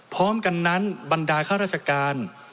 พร้อมกันนั้นบรรดาข้าราชการ